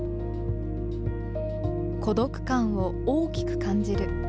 孤独感を大きく感じる。